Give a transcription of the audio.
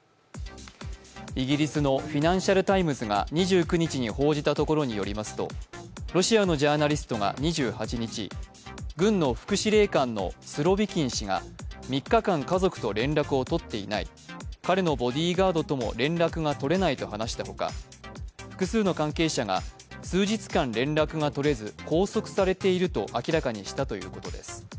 イギリスの「フィナンシャル・タイムズ」が２９日に報じたところによりますとロシアのジャーナリストが２８日、軍の副司令官のスロビキン氏が３日間、家族と連絡を取っていない彼のボディーガードとも連絡が取れないと話したほか複数の関係者が数日間連絡が取れず拘束されていると明らかにしたということです。